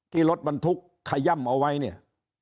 ที่รถบรรทุกขย่ำเอาไว้เนี่ย